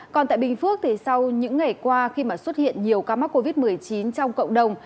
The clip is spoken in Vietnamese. còn tại bình phước thì sau những ngày qua khi mà xuất hiện nhiều ca mắc covid một mươi chín trong cộng đồng